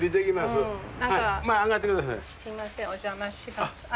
すいませんお邪魔します。